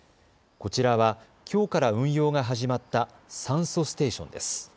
こちらは、きょうから運用が始まった酸素ステーションです。